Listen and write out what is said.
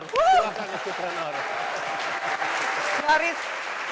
silahkan nanti tenor